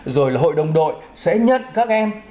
rồi là hội đồng đội sẽ nhận các em